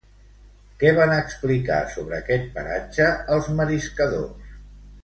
Què van explicar sobre aquest paratge els mariscadors?